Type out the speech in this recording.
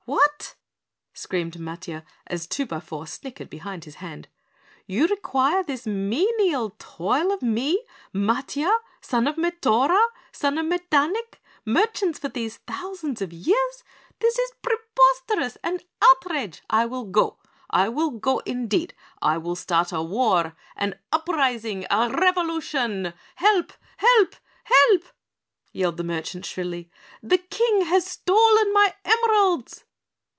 "What?" screamed Matiah, as Twobyfour snickered behind his hand. "You require this mean ial toil of me Matiah, son of Metorah, son of Metanic merchants for these thousands of years? This is preposterous! An outrage! I will go! I will go indeed. I will start a war, an uprising a revolution! Help! help! help!" yelled the merchant shrilly. "The King has stolen my emeralds."